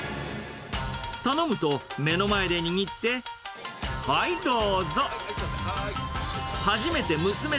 頼むと、目の前で握って、はいどうぞ。